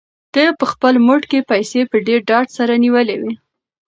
ده په خپل موټ کې پیسې په ډېر ډاډ سره نیولې وې.